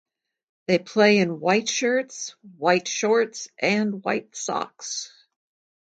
They play in white shirts, white shorts and white socks.